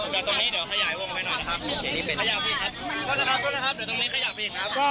แต่ตรงนี้เดี๋ยวขยายวงไปหน่อยนะครับ